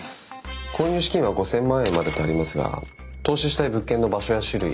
購入資金は５，０００万円までとありますが投資したい物件の場所や種類